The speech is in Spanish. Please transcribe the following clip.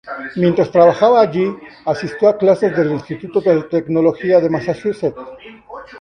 Mientras trabajaba allí, asistió a clases en el Instituto de Tecnología de Massachusetts.